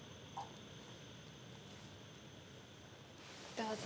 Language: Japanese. どうぞ。